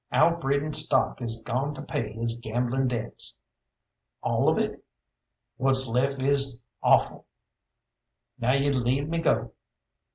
Our breeding stock is gone to pay his gambling debts." "All of it?" "What's left is offal. Now you leave me go!"